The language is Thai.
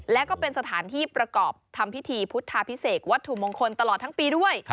และก็เป็นสถานที่ประกอบทำพิธีพุทธาพิเศษวัตถุมงคลตลอดทั้งปีด้วย